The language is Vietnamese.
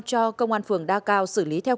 cho công an phường đa cao xử lý theo